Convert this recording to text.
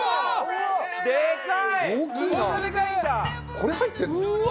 これ入ってるの？